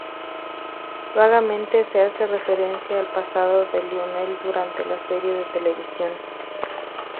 Vagamente se hace referencia al pasado de Lionel durante la serie de televisión.